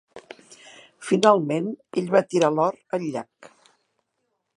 Finalment, ell va tirar l'or al llac.